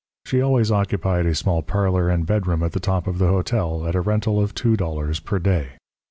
She always occupied a small parlour and bedroom at the top of the hotel at a rental of two dollars per day.